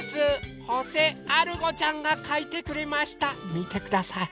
みてください！